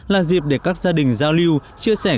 là dịp để các gia đình giao lưu chia sẻ